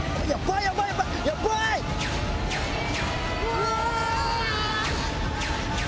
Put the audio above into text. うわ！